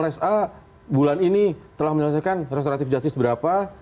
kalau s a bulan ini telah menyelesaikan restoran tibiasis berapa